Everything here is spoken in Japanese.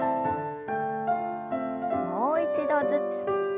もう一度ずつ。